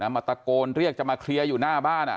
มาตะโกนเรียกจะมาเคลียร์อยู่หน้าบ้าน